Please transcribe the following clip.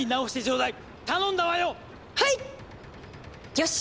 よし！